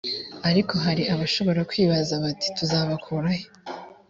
ariko hari abashobora kwibaza bati tuzabakurahe